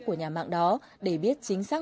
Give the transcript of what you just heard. của nhà mạng đó để biết chính xác